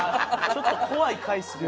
ちょっと怖い回っすね